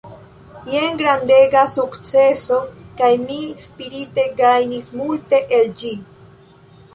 Jen grandega sukceso kaj mi spirite gajnis multe el ĝi.